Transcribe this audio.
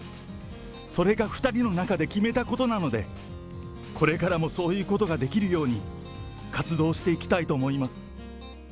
それが２人の中で決めたことなので、これからもそういうことができるように、活動していきたいと思い